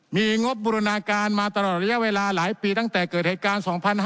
มีงบบูรณาการมาตลอดระยะเวลาหลายปีตั้งแต่เกิดเหตุการณ์๒๕๕๙